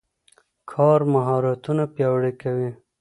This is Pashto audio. کار مهارتونه پیاوړي کوي.